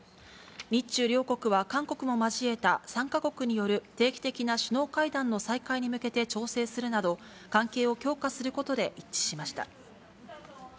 日中両国は韓国も交えた３か国による定期的な首脳会談の再開に向けて調整するなど、関係を強化することで一致しました。